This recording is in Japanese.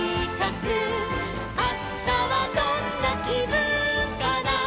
「あしたはどんなきぶんかな」